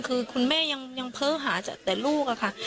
คือคุณแม่ยังเพ้อหาแต่ลูกอะค่ะ